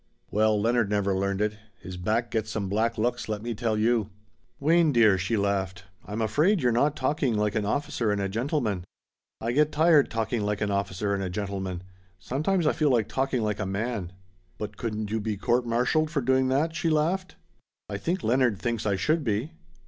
"Well, Leonard never learned it. His back gets some black looks, let me tell you." "Wayne dear," she laughed, "I'm afraid you're not talking like an officer and a gentleman." "I get tired talking like an officer and a gentleman. Sometimes I feel like talking like a man." "But couldn't you be court martialed for doing that?" she laughed. "I think Leonard thinks I should be."